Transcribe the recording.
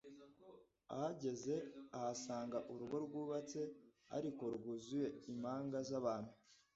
Ahageze ahasanga urugo rwubatse ariko rwuzuye impanga z' abantu